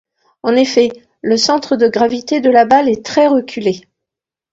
En effet, le centre de gravité de la balle est très reculé.